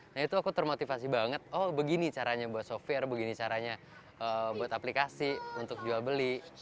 nah itu aku termotivasi banget oh begini caranya buat software begini caranya buat aplikasi untuk jual beli